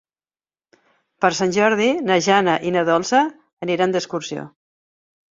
Per Sant Jordi na Jana i na Dolça aniran d'excursió.